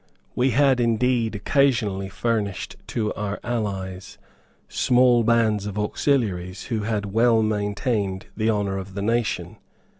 We had indeed occasionally furnished to our allies small bands of auxiliaries who had well maintained the honour of the nation.